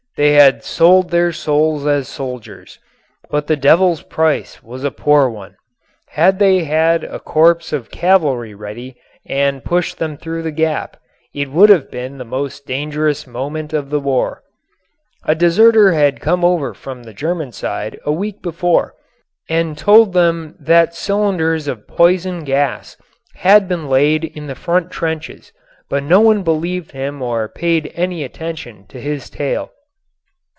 They had sold their souls as soldiers, but the Devil's price was a poor one. Had they had a corps of cavalry ready, and pushed them through the gap, it would have been the most dangerous moment of the war. A deserter had come over from the German side a week before and told them that cylinders of poison gas had been laid in the front trenches, but no one believed him or paid any attention to his tale.